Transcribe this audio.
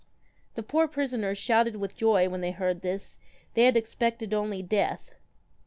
The poor prisoners shouted with joy when they heard this they had expected only death.